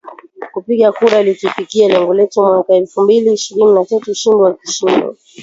kupiga kura ili tufikie lengo letu mwaka elfu mbili ishirini na tatu ushindi wa kishindo